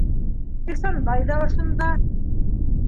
Ихсанбай ҙа ошонда.